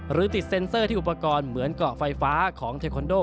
หรือติดเซ็นเซอร์ที่อุปกรณ์เหมือนเกาะไฟฟ้าของเทคอนโด